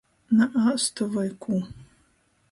Na āstu voi kū.